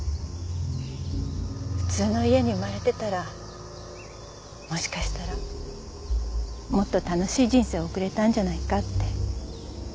普通の家に生まれてたらもしかしたらもっと楽しい人生を送れたんじゃないかって。